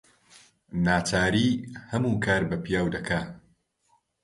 ناچاری هەموو کار بە پیاو دەکا